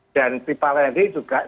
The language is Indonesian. dan pipa led juga